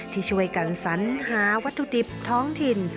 ที่ช่วยกันสัญหาวัตถุดิบท้องถิ่น